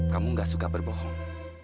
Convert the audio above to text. kamu nggak suka berbohong